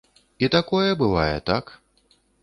І такое бывае, так.